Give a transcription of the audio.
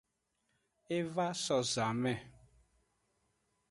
E va so zanme.